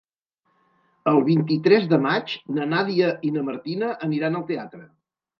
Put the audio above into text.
El vint-i-tres de maig na Nàdia i na Martina aniran al teatre.